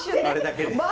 あれだけで。